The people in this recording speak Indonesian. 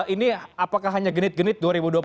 ini apakah hanya genit genit dua ribu dua puluh empat